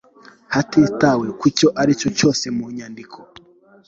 hatitawe ku cyo ari cyo cyose mu nyandiko